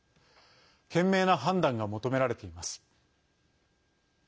賢明な判断が求められています。